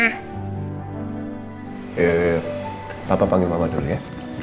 ya ya ya papa panggil mama dulu ya